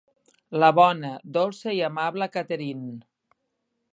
La bona, dolça i amable Catherine!